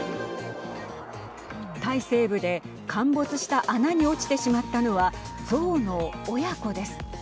タイ西部で陥没した穴に落ちてしまったのは象の親子です。